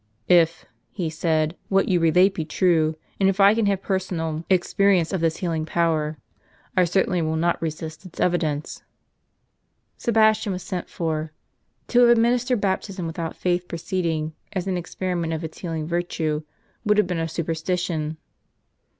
" If," he said, " what you relate be true, and if I can have personal experience of this healing power, I certainly will not resist its evidence." w m Sebastian was sent for. To have administered baptism without faith preceding, as an experiment of its healing vir tue, would have been a superstition.